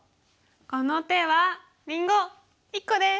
この手はりんご１個です！